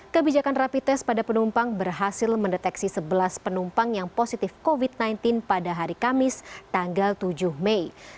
kebijakan rapi tes pada penumpang berhasil mendeteksi sebelas penumpang yang positif covid sembilan belas pada hari kamis tanggal tujuh mei